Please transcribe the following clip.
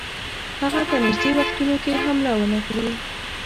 هغه په نیژدې وختونو کې حمله ونه کړي.